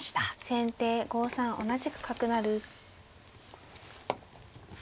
先手５三同じく角成。